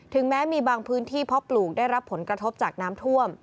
แม้มีบางพื้นที่เพราะปลูกได้รับผลกระทบจากน้ำท่วม